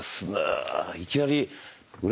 いきなり。